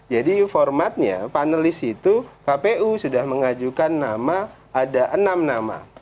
jadi formatnya panelis itu kpu sudah mengajukan nama ada enam nama